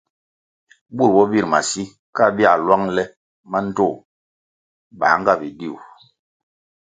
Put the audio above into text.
Bur bo bir masi, ka bia lwang le mandtoh bā nga bidiu.